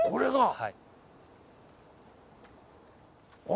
はい。